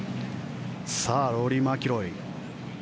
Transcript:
さあ、ローリー・マキロイ。